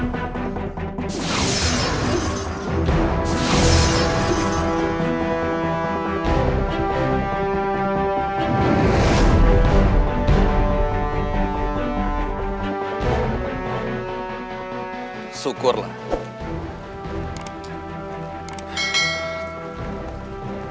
kenapa aku tak jelaskan